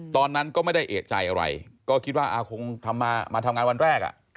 ตอนนั้นก็ไม่ได้เอกใจอะไรก็คิดว่าคงมาทำงานวันแรก